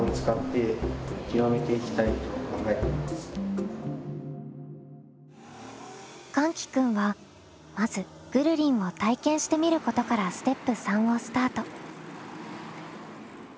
かんき君はまず「ぐるりん」を体験してみることからステップ３をスタート。